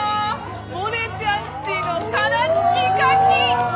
モネちゃんちの殻付きカキ！